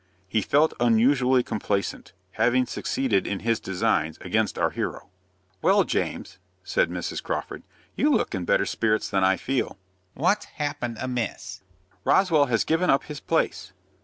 He felt unusually complaisant, having succeeded in his designs against our hero. "Well, James," said Mrs. Crawford, "you look in better spirits than I feel." "What's happened amiss?" "Roswell has given up his place."